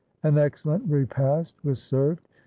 An excellent repast was served.